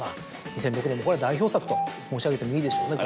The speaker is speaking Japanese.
２００６年これ代表作と申し上げてもいいでしょうね。